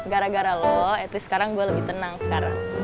gara gara loh at least sekarang gue lebih tenang sekarang